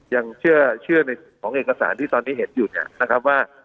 ยังเชื่อในของเอกสารที่ตอนนี้เห็นอยู่เนี่ยนะครับว่า